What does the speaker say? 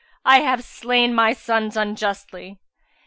I have slain my sons unjustly."